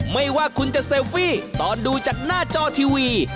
ไม่ว่าคุณจะเซลฟี่ตอนดูจากหน้าจอทีวี